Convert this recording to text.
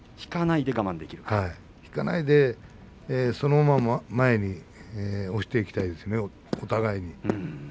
引かないでそのまま前に押していきたいですねお互いに。